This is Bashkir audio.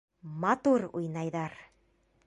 Матур уйнайҙар!..